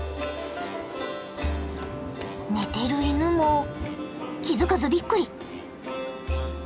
寝てる犬も気付かずびっくり。